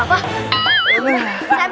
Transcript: sambil pecinya ya ustadz